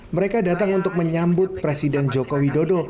mereka datang untuk menyambut presiden joko widodo